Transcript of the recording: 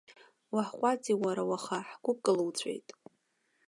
Уаҳҟәаҵи уара уаха, ҳгәы кылуҵәеит!